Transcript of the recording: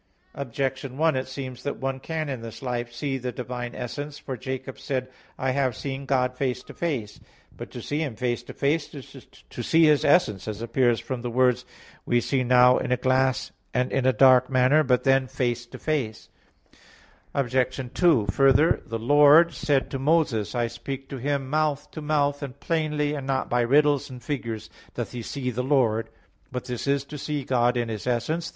Objection 1: It seems that one can in this life see the Divine essence. For Jacob said: "I have seen God face to face" (Gen. 32:30). But to see Him face to face is to see His essence, as appears from the words: "We see now in a glass and in a dark manner, but then face to face" (1 Cor. 13:12). Obj. 2: Further, the Lord said to Moses: "I speak to him mouth to mouth, and plainly, and not by riddles and figures doth he see the Lord" (Num. 12:8); but this is to see God in His essence.